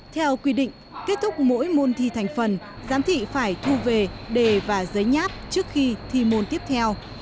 theo quy định kết thúc mỗi môn thi thành phần giám thị phải thu về đề và giấy nháp trước khi thi môn tiếp theo